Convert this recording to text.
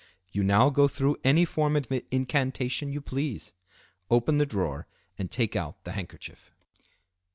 You now go through any form of incantation you please, open the drawer and take out the handkerchief.